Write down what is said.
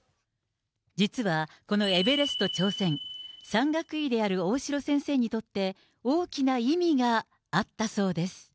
実は、このエベレスト挑戦、山岳医である大城先生にとって大きな意味があったそうです。